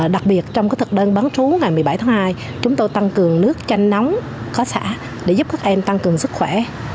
đặc biệt trong thực đơn bán trú ngày một mươi bảy tháng hai chúng tôi tăng cường nước chanh nóng có xả để giúp các em tăng cường sức khỏe